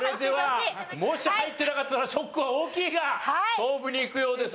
もし入ってなかったらショックは大きいが勝負にいくようです。